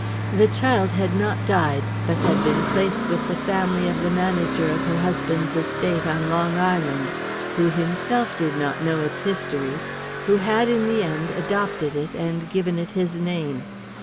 The child had not died, but had been placed with the family of the manager of her husband's estate on Long Island, who himself did not know its history; who had, in the end, adopted it and given it his name.